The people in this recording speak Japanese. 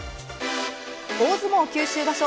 大相撲九州場所